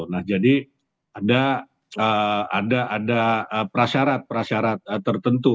nah jadi ada prasyarat prasyarat tertentu